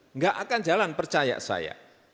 enggak akan jalan percaya saya